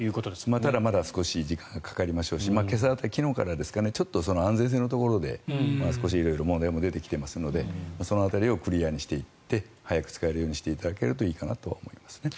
まだまだ少し時間がかかるでしょうし昨日からでしょうかちょっと安全性のところで色々、問題も出てきていますのでその辺りをクリアにしていって早く使えるようにしていただけるといいかと思いますね。